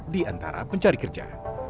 diantara pencari kerja